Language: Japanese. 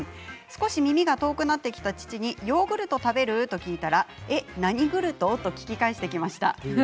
少し耳が遠くなってきた父にヨーグルト食べる？と聞いたら何グルト？と聞き返してきました。